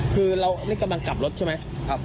คือเราไม่กำลังกลับรถใช่ไหมครับไม่ได้เข้าไปสนิทใช่ไหม